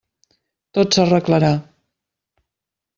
Tot s'arreglarà.